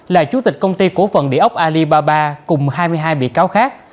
là chủ tịch công ty cổ phần địa ốc alibaba cùng hai mươi hai bị cáo khác